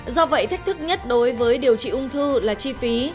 do vậy thách thức nhất đối với điều trị ung thư là chi phí